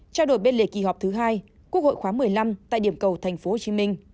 trao đổi bên lề kỳ họp thứ hai quốc hội khóa một mươi năm tại điểm cầu tp hcm